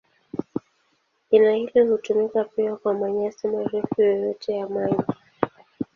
Jina hili hutumika pia kwa manyasi marefu yoyote ya maji.